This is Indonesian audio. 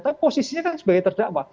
tapi posisinya kan sebagai terdakwa